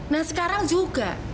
nah sekarang juga